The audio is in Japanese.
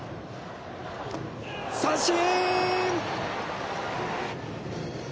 三振！